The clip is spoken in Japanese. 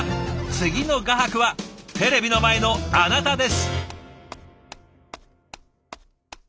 次の画伯はテレビの前のあなたです。